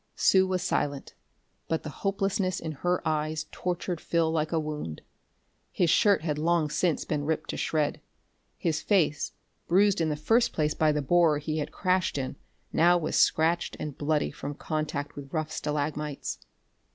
Sue was silent, but the hopelessness in her eyes tortured Phil like a wound. His shirt had long since been ripped to shreds; his face, bruised in the first place by the borer he had crashed in, now was scratched and bloody from contact with rough stalagmites.